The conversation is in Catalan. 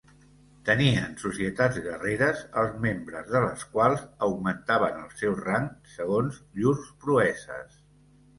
Tenien societats guerreres els membres de les quals augmentaven el seu rang segons llurs proeses.